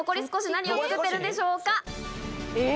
何を造ってるんでしょうか。